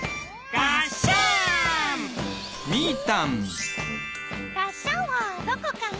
がっしゃんはどこかな？